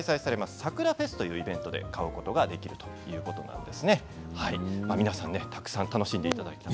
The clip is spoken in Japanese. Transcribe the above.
桜フェスというイベントで買うことができるということです。